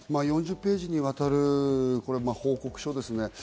４０ページにわたる報告書ですね。